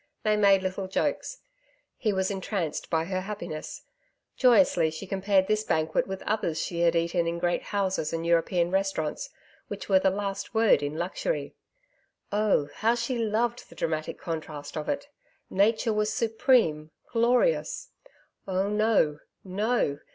They made little jokes. He was entranced by her happiness. Joyously she compared this banquet with others she had eaten in great houses and European restaurants, which were the last word in luxury. Oh! how she loved the dramatic contrast of it. Nature was supreme, glorious.... Oh no, no!